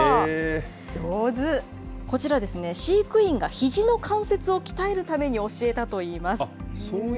こちら、飼育員がひじの関節を鍛えるために教えたといいます。